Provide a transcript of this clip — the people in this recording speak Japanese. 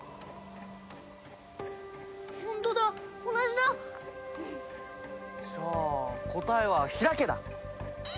じゃあ答えは「ひらけ」だ！